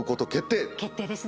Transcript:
決定ですね。